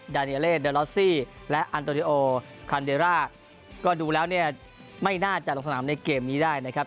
ดาเนียเลสเดอลอสซี่และอันโตริโอคานเดร่าก็ดูแล้วเนี่ยไม่น่าจะลงสนามในเกมนี้ได้นะครับ